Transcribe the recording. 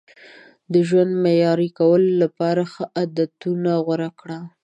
د ژوند معیاري کولو لپاره ښه عادتونه غوره کړئ.